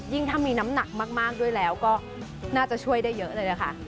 ถ้ามีน้ำหนักมากด้วยแล้วก็น่าจะช่วยได้เยอะเลยนะคะ